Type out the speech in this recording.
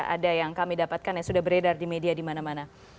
ada yang kami dapatkan yang sudah beredar di media di mana mana